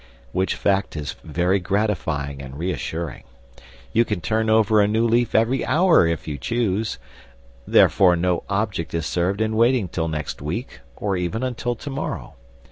Which fact is very gratifying and reassuring. You can turn over a new leaf every hour if you choose. Therefore no object is served in waiting till next week, or even until to morrow.